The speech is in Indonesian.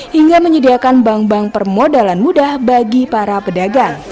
hingga menyediakan bank bank permodalan mudah bagi para pedagang